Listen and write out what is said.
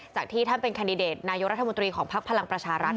จากที่ท่านเป็นแคนดิเดตนายกรัฐมนตรีของพักพลังประชารัฐ